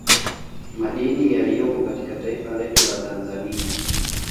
Madini yaliyopo katika taifa letu la Tanzania